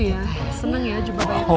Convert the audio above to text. seru ya senang ya jumpa banyak orang